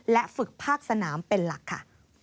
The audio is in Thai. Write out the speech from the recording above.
และฝึกภาคสนามเป็นหลักค่ะ